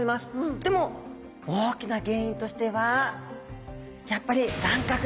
でも大きな原因としてはやっぱり乱獲ですね。